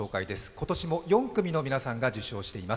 今年も４組の皆さんが受賞しています。